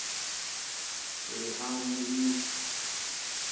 Lihañ li nyik.